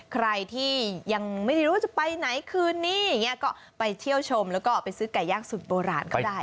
ใครที่ยังไม่ได้รู้ว่าจะไปไหนคืนนี้อย่างนี้ก็ไปเที่ยวชมแล้วก็ไปซื้อไก่ย่างสูตรโบราณก็ได้